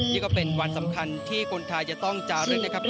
นี่ก็เป็นวันสำคัญที่คนไทยจะต้องจารึกนะครับ